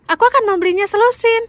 aku akan membelinya selusin